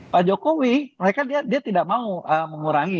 pak jokowi dia tidak mau mengurangi